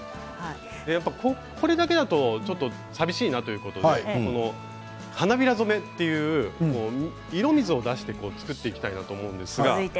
これだけだと寂しいなということで花びら染めという色水を出して作っていきたいですね。